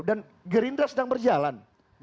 dan gerindra sedang berjalan